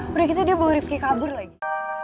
udah gitu dia bawa rifki kabur lagi